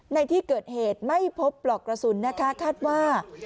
ในที่เกิดเหตุไม่พบปลอกกระสุนนะคะคาดว่า